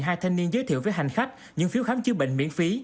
hai thanh niên giới thiệu với hành khách những phiếu khám chữa bệnh miễn phí